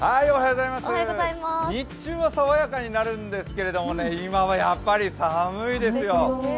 日中は爽やかになるんですけれども、今はやっぱり寒いですよ